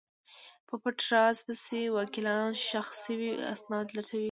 په پټ راز پسې وکیلان ښخ شوي اسناد لټوي.